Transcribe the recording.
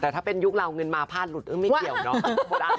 แต่ถ้าเป็นยุคเราเงินมาพลาดหลุดไม่เกี่ยวเนอะ